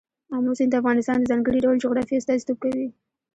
آمو سیند د افغانستان د ځانګړي ډول جغرافیه استازیتوب کوي.